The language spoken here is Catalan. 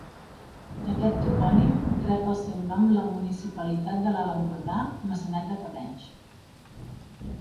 D'aquest topònim rep el seu nom la municipalitat de l'Alt Empordà, Maçanet de Cabrenys.